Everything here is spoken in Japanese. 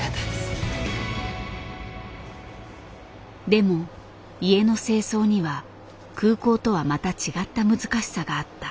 でも家の清掃には空港とはまた違った難しさがあった。